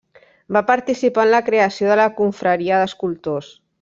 Va participar en la creació de la Confraria d'Escultors.